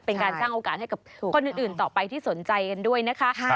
เป็นการสร้างโอกาสให้กับคนอื่นต่อไปที่สนใจกันด้วยนะคะ